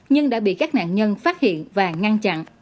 nhưng đã bị các nạn nhân phát hiện và ngăn chặn